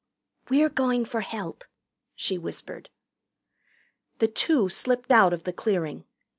"We're going for help," she whispered. The two slipped out of the clearing.